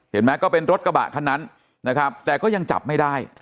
เห็นไหมก็เป็นรถกระบะคันนั้นนะครับแต่ก็ยังจับไม่ได้